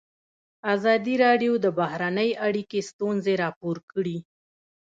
ازادي راډیو د بهرنۍ اړیکې ستونزې راپور کړي.